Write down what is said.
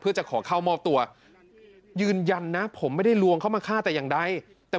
เพื่อจะขอเข้ามอบตัวยืนยันนะผมไม่ได้ลวงเข้ามาฆ่าแต่อย่างใดแต่